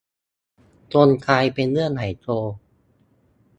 จนกลายเป็นเรื่องราวใหญ่โต